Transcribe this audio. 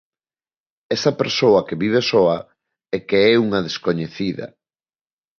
Esa persoa que vive soa e que é unha descoñecida.